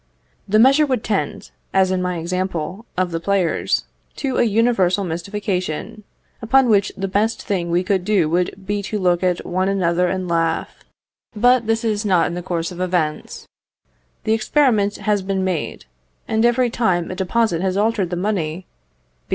The measure would tend, as in my example of the players, to a universal mystification, upon which the best thing we could do would be to look at one another and laugh. But this is not in the course of events. The experiment has been made, and every time a despot has altered the money